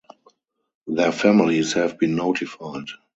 Their families have been notified.